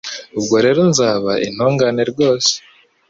Ubwo rero nzaba intungane rwose